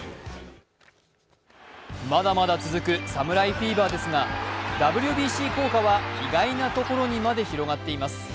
まだまだ続く侍フィーバーですがＷＢＣ効果は意外なところにまで広がっています。